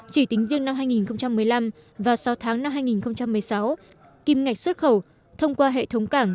chỉ tính riêng năm hai nghìn một mươi năm và sáu tháng năm hai nghìn một mươi sáu kim ngạch xuất khẩu thông qua hệ thống cảng